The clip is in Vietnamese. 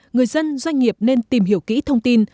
người dân doanh nghiệp nên tìm hiểu kỹ thông tin